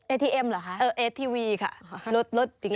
เอสทีเอ็มเหรอคะเออเอสทีวีค่ะรถจริงค่ะ